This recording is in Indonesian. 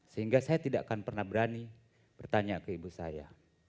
sehingga saya tidak akan pernah berani bertanya ke ibu saya